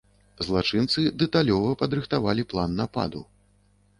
Злачынцы дэталёва падрыхтавалі план нападу.